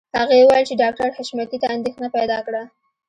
هغې وویل چې ډاکټر حشمتي ته اندېښنه پیدا کړه